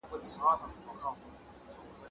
ایا د مېوو په خوړلو سره د انسان روحیه ښه کېږي؟